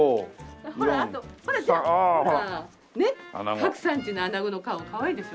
各産地のアナゴの顔かわいいでしょ？